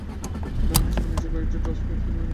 উদাহরন হিসাবে নিচের কয়েন টস এক্সপেরিমেন্টটি লক্ষ্য করুন।